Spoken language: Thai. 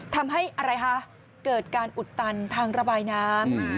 ทำให้อะไรคะเกิดการอุดตันทางระบายน้ำ